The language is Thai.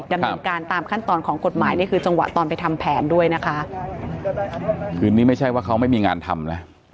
ดำเนินการตามขั้นตอนของกฎหมายนี่คือจังหวะตอนไปทำแผนด้วยนะคะคืนนี้ไม่ใช่ว่าเขาไม่มีงานทำนะ